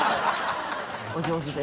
お上手で。